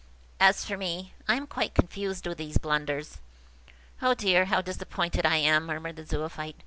As for me, I am quite confused with these blunders." "O dear, how disappointed I am!" murmured the Zoophyte.